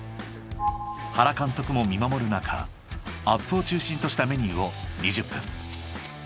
［原監督も見守る中アップを中心としたメニューを２０分］